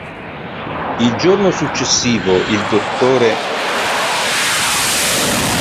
Il giorno successivo il dott.